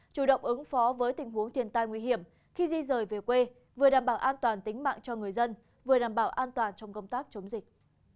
chủ động ứng phó với tình huống thiên tai nguy hiểm khi di rời về quê vừa đảm bảo an toàn tính mạng cho người dân vừa đảm bảo an toàn trong công tác chống dịch